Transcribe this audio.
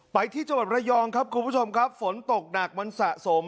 ไปที่จังหวัดระยองครับคุณผู้ชมครับฝนตกหนักมันสะสม